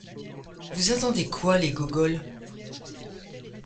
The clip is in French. Vous attendez quoi, les gogols ?